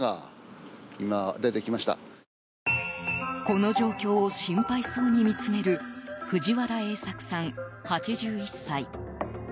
この状況を心配そうに見つめる藤原英朔さん、８１歳。